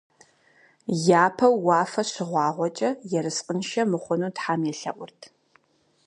Япэу уафэ щыгъуагъуэкӀэ, ерыскъыншэ мыхъуну тхьэм елъэӀурт.